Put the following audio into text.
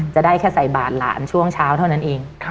จะได้แค่ใส่บาทหลานช่วงเช้าเท่านั้นเอง